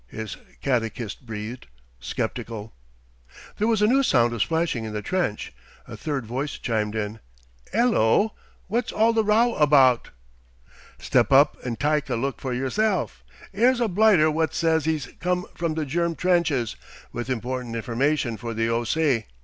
his catechist breathed, skeptical. There was a new sound of splashing in the trench. A third voice chimed in: "'Ello? Wot's all the row abaht?" "Step up and tike a look for yerself. 'Ere's a blighter wot sez 'e's com from the Germ trenches with important information for the O.C."